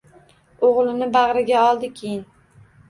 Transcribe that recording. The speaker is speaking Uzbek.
O’g‘lini bag‘riga oldi keyin.